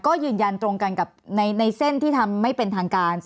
ก็ยืนยันตรงกันกับในเส้นที่ทำไม่เป็นทางการ